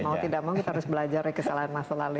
mau tidak mau kita harus belajar dari kesalahan masa lalu